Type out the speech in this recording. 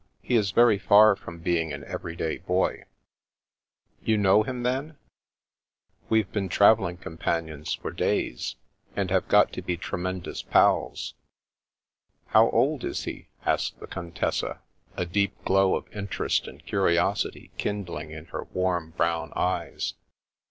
He is very far from being an every day boy." " You know him, then ?"" We've been travelling companions for days, and have got to be tremendous pals." "How old is he?" asked the Contessa, a deep glow of interest and curiosity kindling in her warm brown eyes.